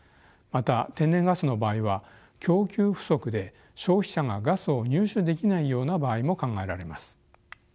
また天然ガスの場合は供給不足で消費者がガスを入手できないような場合も考えられます。